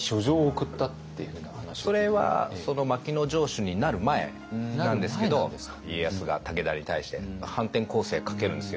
それはその牧野城主になる前なんですけど家康が武田に対して反転攻勢かけるんですよ。